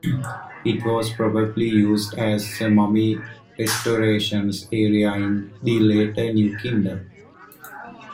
It was probably used as a mummy-restoration area in the later New Kingdom.